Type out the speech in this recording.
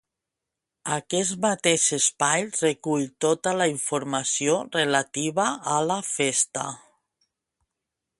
Aquest mateix espai recull tota la informació relativa a la festa